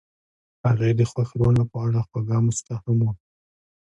هغې د خوښ رڼا په اړه خوږه موسکا هم وکړه.